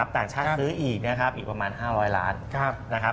ต่างชาติซื้ออีกอีกประมาณ๕๐๐ล้าน